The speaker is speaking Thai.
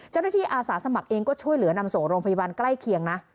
อาสาสมัครเองก็ช่วยเหลือนำส่งโรงพยาบาลใกล้เคียงนะ